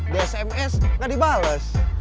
dsms gak dibalas